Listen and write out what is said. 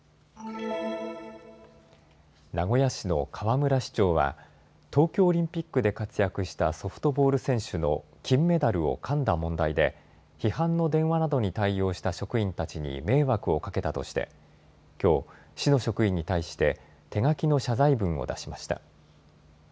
名古屋市の河村市長は東京オリンピックで活躍したソフトボール選手の金メダルをかんだ問題で、批判の電話などに対応した職員たちに迷惑をかけたとして、きょう、市の職員に対して手書きの謝罪文を出しました。